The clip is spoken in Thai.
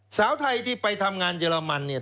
สาวไทยที่ไปทำงานเยอรมันเนี่ย